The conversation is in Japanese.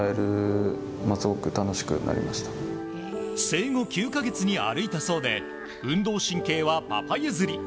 生後９か月に歩いたそうで運動神経はパパ譲り。